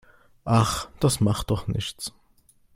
Ach, das macht doch nichts.